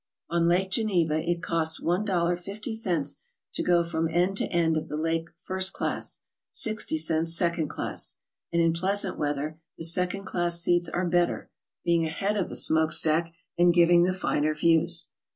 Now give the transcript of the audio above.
On Lake Geneva it costs $1.50 to go from end to end of the lake first class; 60 cents second class; and in pleasant weather the second class seats are better, being ahead of the smoke stack and giving the finer views.